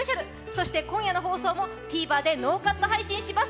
そして今夜の放送もＴＶｅｒでノーカット配信します。